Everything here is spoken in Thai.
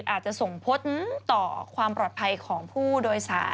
อาจจะส่งผลต่อความปลอดภัยของผู้โดยสาร